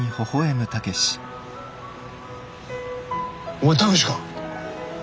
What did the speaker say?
お前武志か！